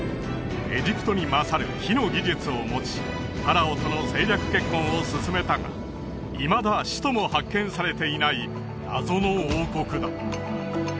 エジプトに勝る火の技術を持ちファラオとの政略結婚を進めたがいまだ首都も発見されていない謎の王国だ